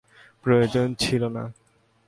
প্রয়োজন ছিল না।